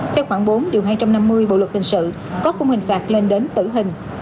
theo khoảng bốn hai trăm năm mươi bộ luật hình sự có khung hình phạt lên đến tử hình